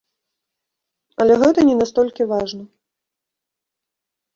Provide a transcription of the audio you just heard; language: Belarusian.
Але гэта не настолькі важна.